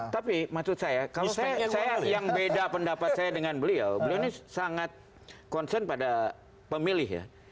tapi maksud saya kalau saya yang beda pendapat saya dengan beliau beliau ini sangat concern pada pemilih ya